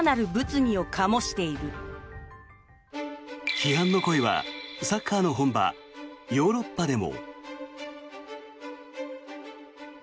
批判の声はサッカーの本場ヨーロッパでも。